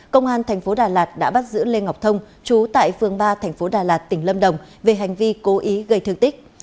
công an tp đà lạt đã bắt giữ lê ngọc thông chú tại phường ba tp đà lạt tỉnh lâm đồng về hành vi cố ý gây thương tích